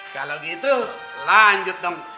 kalo gitu lanjut dong